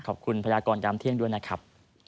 ขอบคุณพญากรกรอำเที่ยงด้วยนะครับ